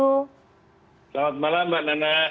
selamat malam mbak nana